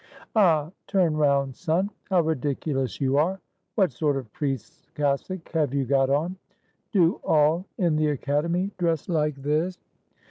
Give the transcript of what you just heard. ] "Ah, turn round, son! How ridiculous you are! What sort of priest's cassock have you got on? Do all in the academy dress like this?"